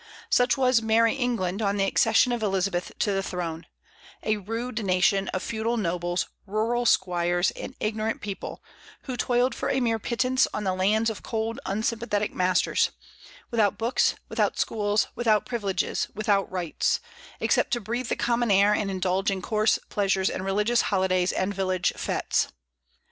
Such was "Merrie England" on the accession of Elizabeth to the throne, a rude nation of feudal nobles, rural squires, and ignorant people, who toiled for a mere pittance on the lands of cold, unsympathetic masters; without books, without schools, without privileges, without rights, except to breathe the common air and indulge in coarse pleasures and religious holidays and village fêtes.